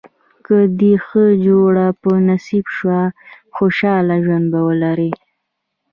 که دې ښه جوړه په نصیب شوه خوشاله ژوند به ولرې.